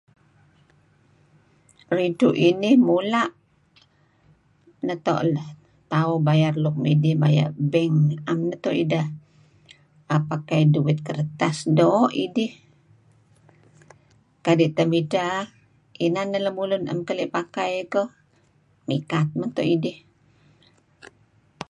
Ridtu' inih mula' neto' tauh bayar nuk midih maya' bank am neto' ideh pakai duit kertas. Doo' tidih kadi' lemulun nuk 'am keli' pakai dih mikat mento' idih